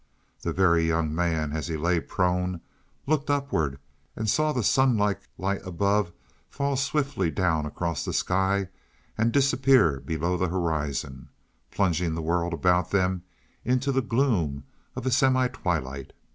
The Very Young Man, as he lay prone, looked upward, and saw the sunlike light above fall swiftly down across the sky and disappear below the horizon, plunging the world about them into the gloom of a semi twilight.